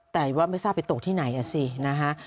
แต่ว่าไม่ทราบไปตกที่ไหนอ่ะสินะฮะ